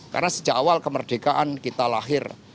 karena sejak awal kemerdekaan kita lahir